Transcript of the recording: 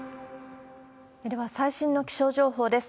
では、最新の気象情報です。